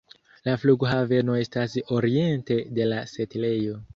La flughaveno estas oriente de la setlejo.